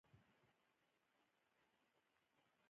بې مهارته انسان محدود وي.